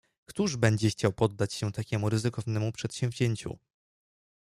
"Któż będzie chciał poddać się takiemu ryzykownemu przedsięwzięciu?"